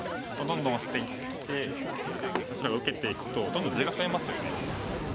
どんどん押していって白が受けていくとどんどん地が増えますよね。